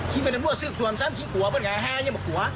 คิงเป็นตำรวจสืบสวมซ้ำคิงกลัวบ้างไงแห้งยังไม่กลัว